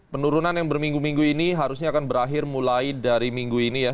penurunan yang berminggu minggu ini harusnya akan berakhir mulai dari minggu ini ya